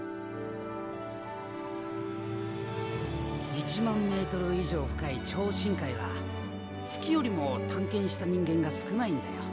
１万メートル以上深い超深海は月よりも探検した人間が少ないんだよ。